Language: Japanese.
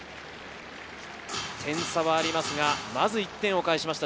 点差はありますが、まず１点を返しました。